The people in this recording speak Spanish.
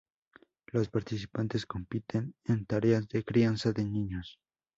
Los participantes compiten en tareas de crianza de niños.